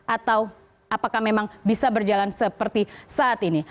atau apakah memang bisa berjalan seperti saat ini